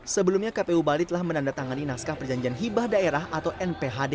sebelumnya kpu bali telah menandatangani naskah perjanjian hibah daerah atau nphd